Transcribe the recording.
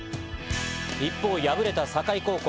一方敗れた境高校。